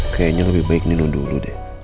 kayaknya lebih baik nindun dulu deh